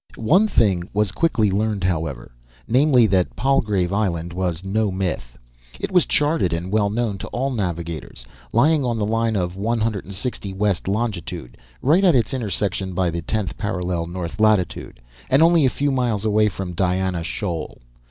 One thing was quickly learned, however; namely, that Palgrave Island was no myth. It was charted and well known to all navigators, lying on the line of 160 west longitude, right at its intersection by the tenth parallel north latitude, and only a few miles away from Diana Shoal.